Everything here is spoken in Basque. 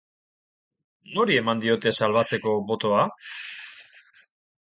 Nori eman diote salbatzeko botoa?